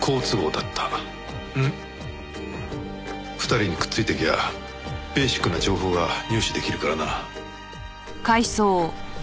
２人にくっついていきゃあベーシックな情報が入手出来るからな。